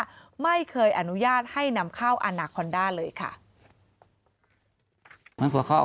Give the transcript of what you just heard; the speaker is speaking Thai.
ว่าไม่เคยอนุญาตให้นำเข้าอาณาคอนด้าเลยค่ะ